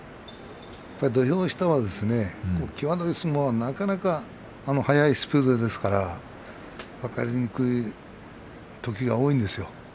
土俵下は際どい相撲はなかなか、速いスピードですから分かりにくいときが多いんですよね。